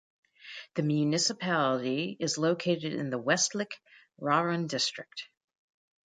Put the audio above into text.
The municipality is located in the Westlich Raron district.